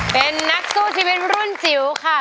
เป็นนักสู้ชีวิตรุ่นจิ๋วค่ะ